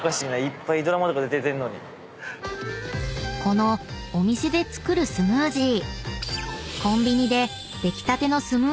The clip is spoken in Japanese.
［このお店で作るスムージー］